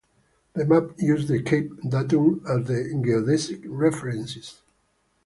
The maps use the Cape datum as the geodesic reference.